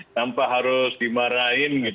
tanpa harus dimarahin